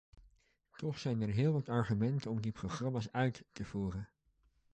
Toch zijn er heel wat argumenten om die programma's uit te voeren.